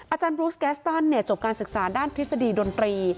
อาจารย์บรูสแกสตันจบการศึกษาด้านทฤษฎีดนตรี